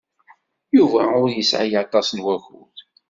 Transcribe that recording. Yuba ur yesɛi aṭas n wakud.